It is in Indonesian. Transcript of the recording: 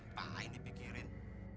apa yang dipikirin